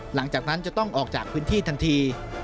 หลังจากนั้นจะต้องออกจากพื้นที่ทันที